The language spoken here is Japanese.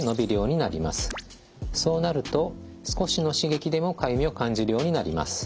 そうなると少しの刺激でもかゆみを感じるようになります。